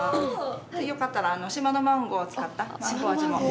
よかったら、島のマンゴーを使ったマンゴー味もぜひ。